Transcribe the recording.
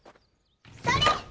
それ！